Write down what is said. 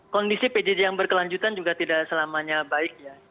kondisi pjj yang berkelanjutan juga tidak selamanya baik ya